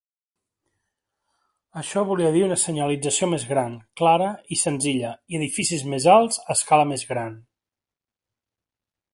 Això volia dir una senyalització més gran, clara i senzilla, i edificis més alts a escala més gran.